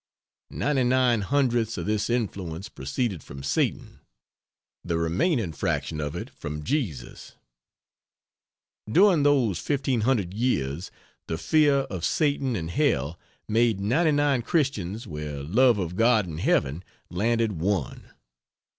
Ninety nine hundredths of this influence proceeded from Satan, the remaining fraction of it from Jesus. During those 1500 years the fear of Satan and Hell made 99 Christians where love of God and Heaven landed one.